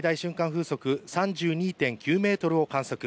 風速３２．９メートルを観測。